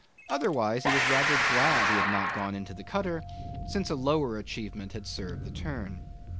Otherwise he was rather glad he had not gone into the cutter, since a lower achievement had served the turn.